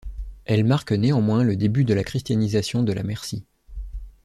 Elle marque néanmoins le début de la christianisation de la Mercie.